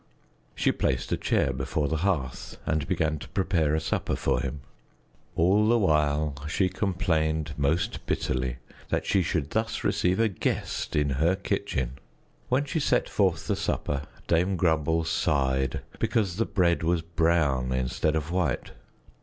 She placed a chair before the hearth and began to prepare a supper for him. All the while she complained most bitterly that she should thus receive a guest in her kitchen. When she set forth the supper, Dame Grumble sighed because the bread was brown instead of white.